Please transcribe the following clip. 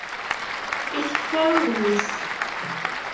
Iteffer udem-is.